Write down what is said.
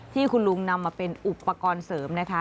ที่คุณลุงนำมาเป็นอุปกรณ์เสริมนะคะ